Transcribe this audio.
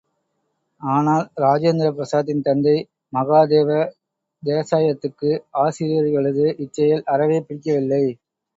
ஆனால், இராஜேந்திர பிரசாத்தின் தந்தை மகாதேவ தேசாயக்கு ஆசிரியர்களது இச்செயல் அறவே பிடிக்கவில்லை.